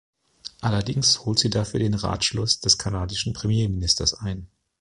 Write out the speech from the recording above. Allerdings holt sie dafür den Ratschluss des kanadischen Premierministers ein.